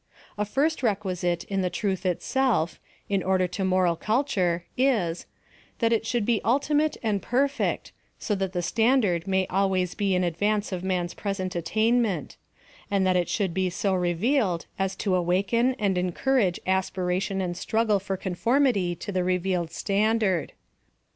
A first requisite in the truth itself, in order to moral culture, is, that it should be ultimate and perfect, so that the standard may always be in ad vance" of man's present attainment; and that it should be so revealed as to awaken and encourage aspiration and struggle for conformity to the re vealed standard.